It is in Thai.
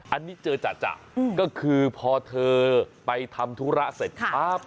อันนี้เจอจ่ะก็คือพอเธอไปทำธุระเสร็จปั๊บ